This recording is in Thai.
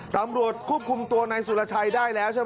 ตำรวจควบคุมตัวนายสุรชัยได้แล้วใช่ไหม